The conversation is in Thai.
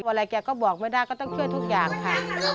อะไรแกก็บอกไม่ได้ก็ต้องช่วยทุกอย่างค่ะ